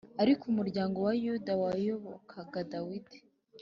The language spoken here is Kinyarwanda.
Ariko umuryango wa Yuda wayobokaga Dawidi